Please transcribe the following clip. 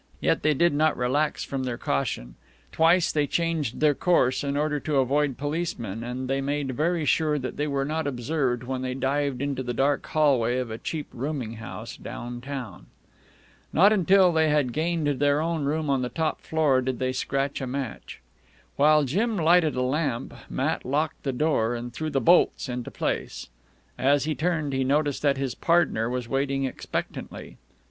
Yet they did not relax from their caution. Twice they changed their course in order to avoid policemen, and they made very sure that they were not observed when they dived into the dark hallway of a cheap rooming house down town. Not until they had gained their own room on the top floor, did they scratch a match. While Jim lighted a lamp, Matt locked the door and threw the bolts into place. As he turned, he noticed that his partner was waiting expectantly.